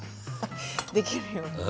できるようにね。